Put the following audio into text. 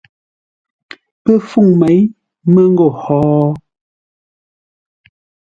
Pə́ fûŋ mêi mə́ ńgó hó?